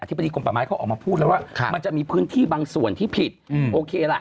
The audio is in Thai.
ธิบดีกรมป่าไม้เขาออกมาพูดแล้วว่ามันจะมีพื้นที่บางส่วนที่ผิดโอเคล่ะ